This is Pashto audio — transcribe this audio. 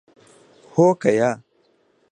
هو که یا ؟